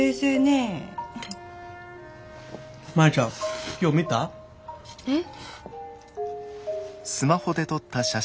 マヤちゃん今日見た？えっ？